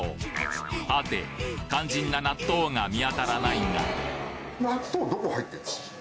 はて肝心な納豆が見当たらないが？